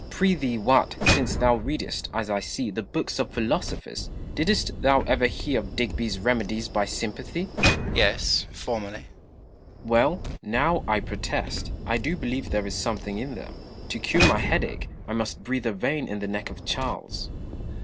Pry thee, Wat, since thou readest, as I see, the books of philosophers, didst thou ever hear of Digby's remedies by sympathy 1 Nohle. Yes, formerly. Cromwell. Well, now, I protest, I do believe there is something in them. To cure my headache, I must breathe a vein in the neck of Charles.